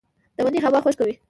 د مني هوا خشکه وي